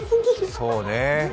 そうね